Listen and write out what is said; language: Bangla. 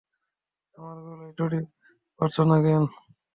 আমার গলায় দড়ি বাঁধছ না কেন?